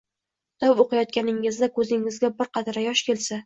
Kitob o’qiyotganingizda ko’zingizga bir qatra yosh kelsa